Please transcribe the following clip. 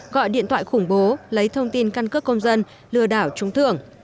gọi điện thoại khủng bố lấy thông tin căn cước công dân lừa đảo trung thượng